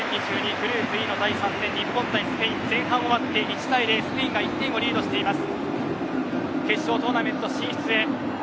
グループＥの第３戦日本対スペイン前半終わって１対０とスペインが１点をリードしています。